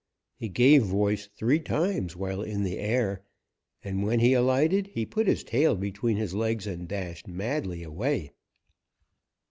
He gave voice three times while in the air, and when he alighted he put his tail between his legs and dashed madly away.